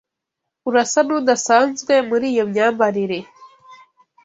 Urasa nudasanzwe muri iyo myambarire.